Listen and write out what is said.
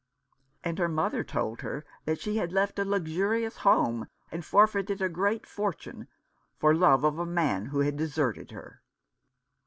And her mother told her that she had left a luxurious home and for feited a large fortune for love of the man who had deserted her."